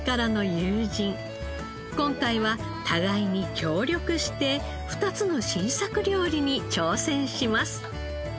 今回は互いに協力して２つの新作料理に挑戦します。